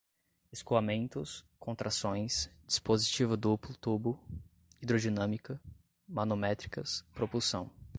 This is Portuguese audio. escoamentos, contrações, dispositivo duplo tubo, hidrodinâmica, manométricas, propulsão